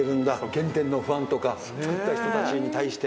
原点のファンとか作った人たちに対して。